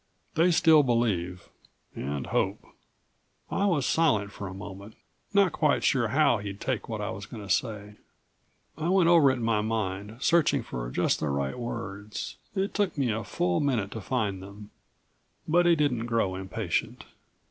They still believe and hope." I was silent for a moment, not quite sure how he'd take what I was going to say. I went over it in my mind, searching for just the right words. It took me a full minute to find them, but he didn't grow impatient.